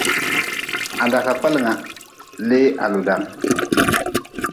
Ha da ka kpelnga lee ha ludan.